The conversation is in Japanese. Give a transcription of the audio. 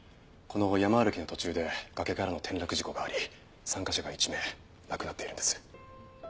この山歩きの途中で崖からの転落事故があり参加者が１名亡くなっているんです。